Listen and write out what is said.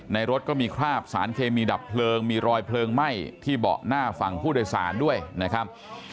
รถก็มีคราบสารเคมีดับเพลิงมีรอยเพลิงไหม้ที่เบาะหน้าฝั่งผู้โดยสารด้วยนะครับ